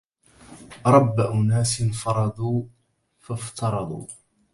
رب أناس فرضوا فافترضوا